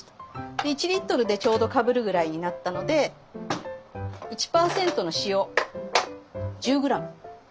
で１リットルでちょうどかぶるぐらいになったので１％の塩１０ｇ。